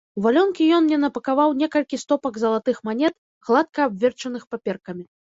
У валёнкі ён мне напакаваў некалькі стопак залатых манет, гладка абверчаных паперкамі.